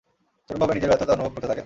চরমভাবে নিজের ব্যর্থতা অনুভব করতে থাকেন।